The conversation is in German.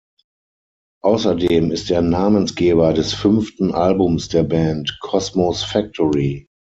Außerdem ist er Namensgeber des fünften Albums der Band, "Cosmo’s Factory".